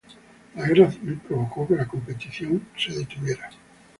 La Guerra Civil provocó que la competición se detuviera.